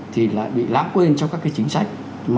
thì lại bị lãng quên trong các cái chính sách